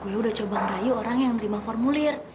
gue sudah coba ngerayu orang yang menerima formulir